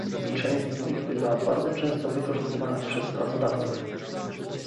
Część z nich bywa bardzo często wykorzystywana przez pracodawców